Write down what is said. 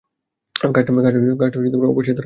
কাজটা অপেশাদারের মতো হলো!